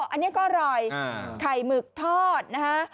อันนี้ก็อร่อยไข่หมึกทอดนะฮะ